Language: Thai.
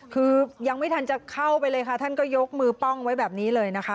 คือยังไม่ทันจะเข้าไปเลยค่ะท่านก็ยกมือป้องไว้แบบนี้เลยนะคะ